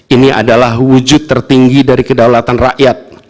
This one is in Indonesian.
ini adalah wujud tertinggi dari kedaulatan rakyat